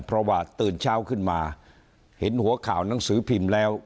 เพราะว่าตื่นเช้าขึ้นมาเห็นหัวข่าวหนังสือพิมพ์แล้ว